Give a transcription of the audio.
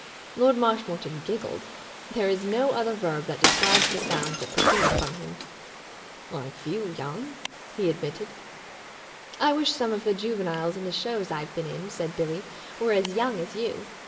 Lord Marshmoreton giggled. There is no other verb that describes the sound that proceeded from him. "I feel young," he admitted. "I wish some of the juveniles in the shows I've been in," said Billie, "were as young as you.